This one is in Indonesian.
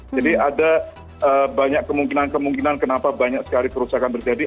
jadi ada banyak kemungkinan kemungkinan kenapa banyak sekali kerusakan terjadi